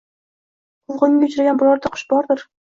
quvg‘inga uchragan birorta qush bordir.